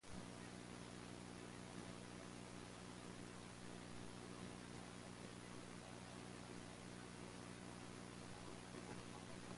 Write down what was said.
It could be disinfected with calcium hypochlorite and clarified with calcium sulfate and lime.